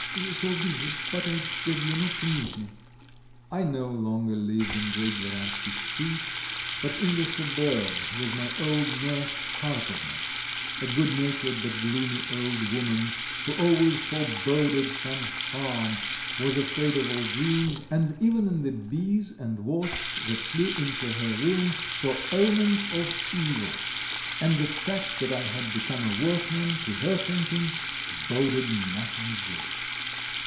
. so be it, but I beg you not to meet me!" I no longer lived in Great Dvoryansky Street, but in the suburb with my old nurse Karpovna, a good natured but gloomy old woman, who always foreboded some harm, was afraid of all dreams, and even in the bees and wasps that flew into her room saw omens of evil, and the fact that I had become a workman, to her thinking, boded nothing good.